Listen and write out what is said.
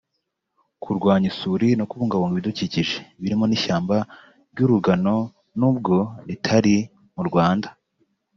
kurwanya isuri no kubungabunga ibidukikije birimo n’ishyamba ry’Urugano nubwo ritari mu Rwanda